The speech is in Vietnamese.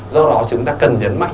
do đó chúng ta cần nhấn mạnh